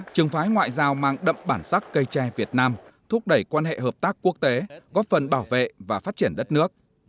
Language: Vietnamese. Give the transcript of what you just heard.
trường phái ngoại giao mang đậm bản sắc cây tre việt nam thúc đẩy quan hệ hợp tác quốc tế góp phần bảo vệ và phát triển đất nước